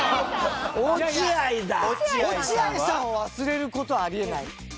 落合さんを忘れる事はあり得ない。